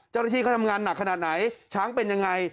เจ้าหน้าที่เขาทำงานหนักขนาดไหนช้างเป็นยังไง